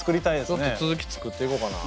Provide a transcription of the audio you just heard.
ちょっと続き作っていこうかな。